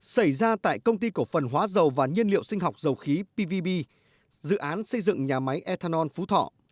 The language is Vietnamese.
xảy ra tại công ty cổ phần hóa dầu và nhiên liệu sinh học dầu khí pvb dự án xây dựng nhà máy ethanol phú thọ